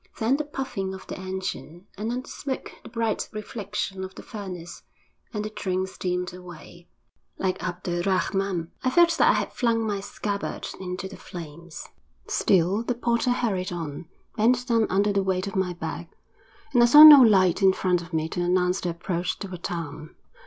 Then the puffing of the engine, and on the smoke the bright reflection of the furnace, and the train steamed away; like Abd er Rahman, I felt that I had flung my scabbard into the flames. Still the porter hurried on, bent down under the weight of my bag, and I saw no light in front of me to announce the approach to a town.